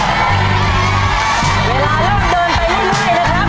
เวลาล่ามไปเรื่อยนะครับ